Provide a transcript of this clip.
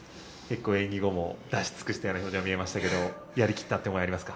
演技後も出し尽くしたような表情が見えましたがやり切ったという思いはありますか？